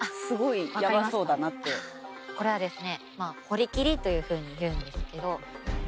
ああこれはですね